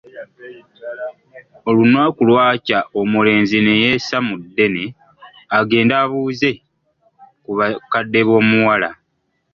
Olunaku lwakya omulenzi ne yessa mu ddene agende abuuze ku bakadde b'omuwala.